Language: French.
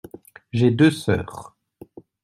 J’ai deux sœurs.